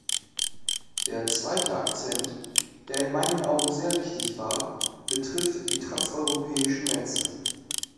Der zweite Akzent, der in meinen Augen sehr wichtig war, betrifft die transeuropäischen Netze.